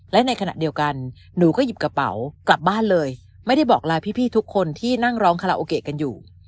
และในขณะเดียวกันหนูก็หยิบกระเป๋ากลับบ้านเลยไม่ได้บอกลาพี่ทุกคนที่นั่งร้องคาราโอเกะกันอยู่